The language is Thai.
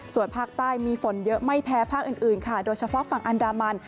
ส่วนภาคใต้มีฝนเยอะไม่แพ้ภาคอื่นค่ะโดยเฉพาะฝั่งอันดามัน